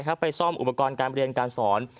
ไปซ่อมอุปกรณ์การเรียนการสอน